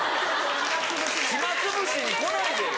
暇つぶしに来ないでよ。